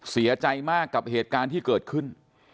เสียใจมากกับเหตุการณ์ที่เกิดขึ้น